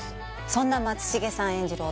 そんな松重さん演じる